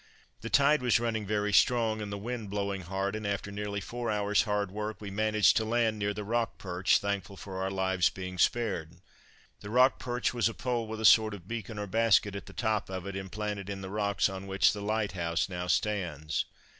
The tide was running very strong and the wind blowing hard, and, after nearly four hours hard work, we managed to land near the Rock Perch, thankful for our lives being spared. The Rock Perch was a pole with a sort of beacon or basket at the top of it, implanted in the rocks on which the lighthouse now stands.